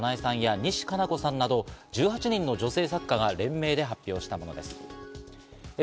湊かなえさんや西加奈子さんなど１８人の女性作家が連名で発表したものです。